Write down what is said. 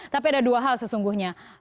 tapi ada dua hal sesungguhnya